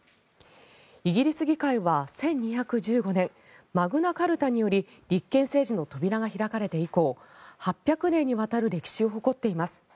イギリス議会は１２１５年マグナ・カルタにより立憲政治の扉が開かれて以降８００年にわたる歴史を誇っています。